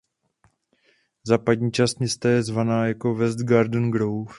Západní část města je známá jako West Garden Grove.